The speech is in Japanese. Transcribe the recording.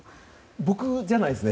僕じゃないですね。